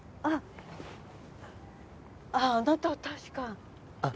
あああなたは確か。